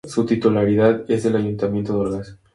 Su titularidad es del Ayuntamiento de Orgaz.